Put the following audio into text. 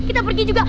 kita pergi juga